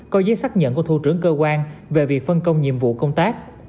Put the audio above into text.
có giấy xác nhận của thủ trưởng cơ quan về việc phân công nhiệm vụ công tác